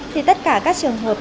thì tất cả các trường hợp